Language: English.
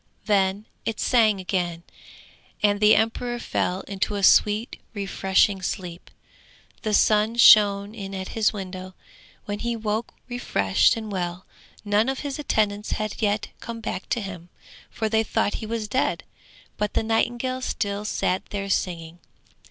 Then it sang again, and the emperor fell into a sweet refreshing sleep. The sun shone in at his window, when he woke refreshed and well; none of his attendants had yet come back to him, for they thought he was dead, but the nightingale still sat there singing.